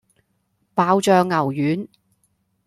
爆醬牛丸